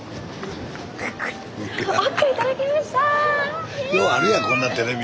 スタジオようあるやんこんなテレビ。